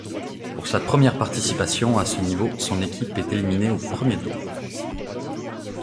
Pour sa première participation à ce niveau son équipe est éliminée au premier tour.